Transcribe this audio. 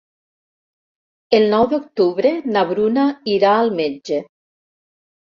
El nou d'octubre na Bruna irà al metge.